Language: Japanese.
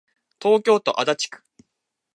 東京都足立区